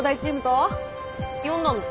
呼んだの。